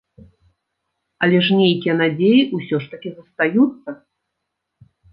Але ж нейкія надзеі ўсё ж такі застаюцца.